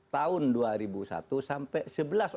tahun dua ribu satu sampai